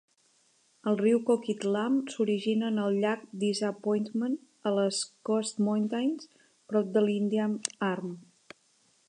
El riu Coquitlam s'origina en el llac Disappointment a les Coast Mountains, prop de l'Indian Arm.